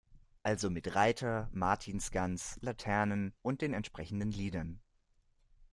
Also mit Reiter, Martinsgans, Laternen und den entsprechenden Liedern.